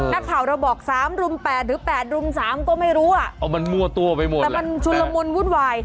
นักข่าวเราบอก๓รุ่ม๘หรือ๘รุ่ม๓ก็ไม่รู้อะแต่มันชุลมูลวุ่นวาย